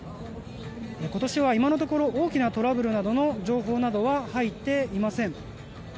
今年は今のところ大きなトラブルなどの情報は入っていません。